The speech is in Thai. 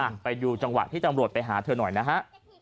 ไปดูจังหวะที่ตำรวจไปหาเธอหน่อยนะฮะ